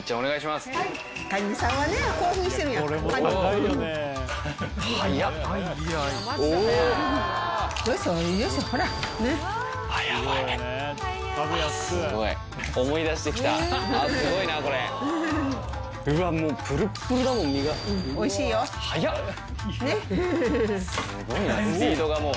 すごいなスピードがもう。